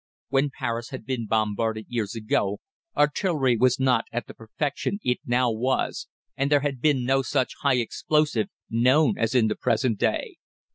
When Paris had been bombarded years ago, artillery was not at the perfection it now was, and there had been no such high explosive known as in the present day.